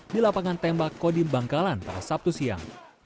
di lapangan tembak kodim bangkalan pada sabtu siang